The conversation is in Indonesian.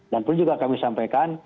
dan perlu juga kami sampaikan